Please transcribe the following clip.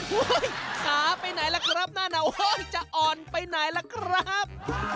โอ้โฮขาไปไหนล่ะครับหน้าหนาโอ้โฮจะอ่อนไปไหนล่ะครับ